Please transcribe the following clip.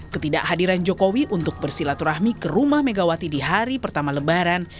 ketidakhadiran jokowi untuk bersilaturahmi ke rumah megawati di hari pertama lebaran